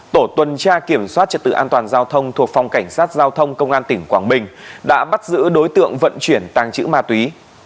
tổ tuần tra kiểm soát trật tự an toàn giao thông thuộc phòng cảnh sát giao thông công an tỉnh quảng bình đã bắt giữ đối tượng vận chuyển tàng trữ ma túy